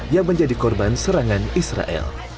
yang menjadi korban serangan israel